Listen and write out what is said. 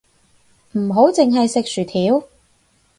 唔好淨係食薯條